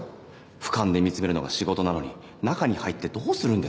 ふかんで見つめるのが仕事なのに中に入ってどうするんです？